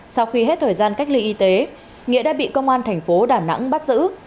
sau khi hết thời gian cách ly y tế nghĩa đã bị công an tp đà nẵng bắt giữ